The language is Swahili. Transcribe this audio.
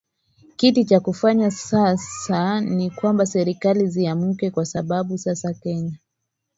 kitu cha kufanya sasa ni kwamba serikali ziamke kwa sababu sasa kenya